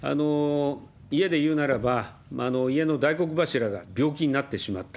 家でいうならば、家の大黒柱が病気になってしまった。